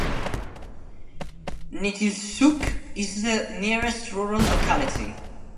Nitilsukh is the nearest rural locality.